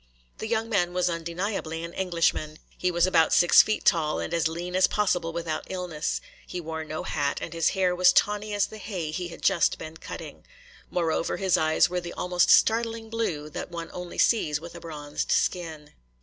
The young man was undeniably an Englishman. He was about six feet tall and as lean as possible without illness. He wore no hat and his hair was tawny as the hay he had just been cutting. Moreover, his eyes were the almost startling blue that one only sees with a bronzed skin.